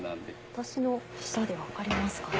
私の舌で分かりますかね？